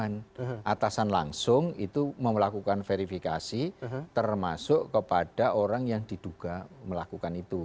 lalu yang keempat itu adalah kelepasan langsung itu melakukan verifikasi termasuk kepada orang yang diduga melakukan itu